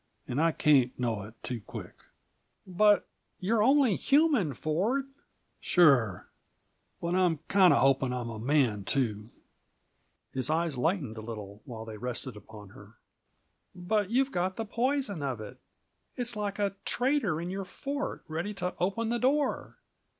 And I can't know it too quick." "But you're only human, Ford!" "Sure. But I'm kinda hoping I'm a man, too." His eyes lightened a little while they rested upon her. "But you've got the poison of it it's like a traitor in your fort, ready to open the door.